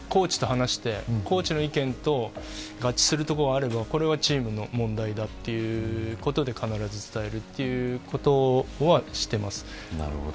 書いて、コーチと話してコーチの意見と合致するところがあればこれはチームの問題だということで必ず伝えるということはしてます。